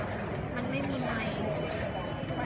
มันเป็นสิ่งที่จะให้ทุกคนรู้สึกว่า